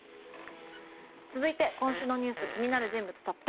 続いて今週のニュース気になる人物トップ１０。